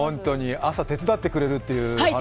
朝手伝ってくれるというお話。